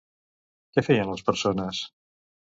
Què feien les persones?